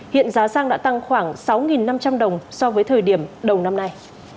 hiện giá xăng đã tăng khoảng sáu năm trăm linh đồng so với thời điểm đầu năm nay